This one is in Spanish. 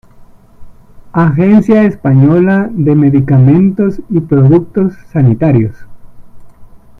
Agencia española de medicamentos y productos sanitarios.